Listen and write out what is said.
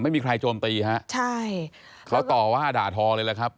ไม่มีใครโจมตีฮะเขาต่อว่าด่าทอเลยละครับ